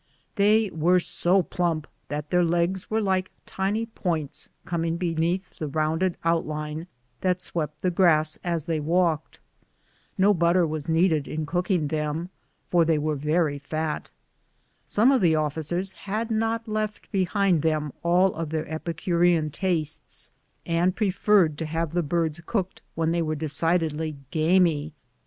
They were so plump that their legs were like tiny points coming from beneath the rounded outline that swept the grass as they walked. No butter was needed in cooking them, for 88 BOOTS AND SADDLES. they were very fat. Some of the officers had not left behind them all of their epicurean tastes, and preferred to have the birds cooked when they were decidedly "gamy."